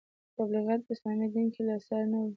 دا تبلیغات په اسلامي دین کې له سره نه وو.